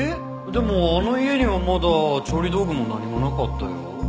でもあの家にはまだ調理道具も何もなかったよ。